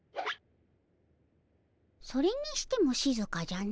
それにしてもしずかじゃの。